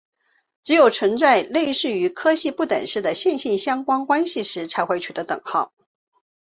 只有存在类似于柯西不等式的线性相关关系时才会取得等号。